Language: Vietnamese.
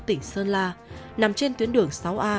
tỉnh sơn la nằm trên tuyến đường sáu a